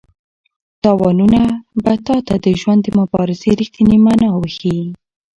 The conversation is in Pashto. تاوانونه به تا ته د ژوند د مبارزې رښتینې مانا وښيي.